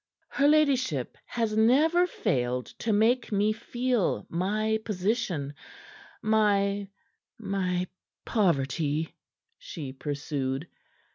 "Her ladyship has never failed to make me feel my position my my poverty," she pursued.